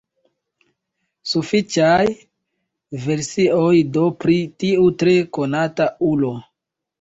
Sufiĉaj versioj do pri tiu tre konata ulo.